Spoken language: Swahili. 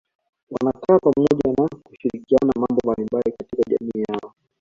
Wanakaa pamoja na kushirikiana mambo mbalimbali katika jamii yao